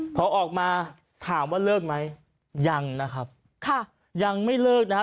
พอออกมาถามว่าเลิกไหมยังนะครับค่ะยังไม่เลิกนะฮะ